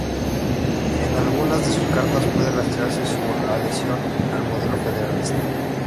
En algunas de sus cartas puede rastrearse su adhesión al modelo federalista.